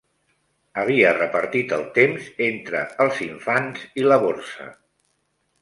Havia repartit el temps entre els infants i la borsa.